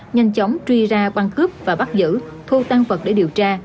nhanh chóng truy ra quân cướp và bắt giữ thu tăng vật để điều tra